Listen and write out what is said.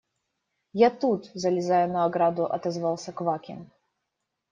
– Я тут, – залезая на ограду, отозвался Квакин.